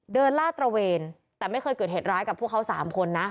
ลาดตระเวนแต่ไม่เคยเกิดเหตุร้ายกับพวกเขาสามคนนะ